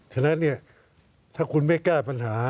ฉะนั้นเนี่ยถ้าคุณไม่แก้ปัญหา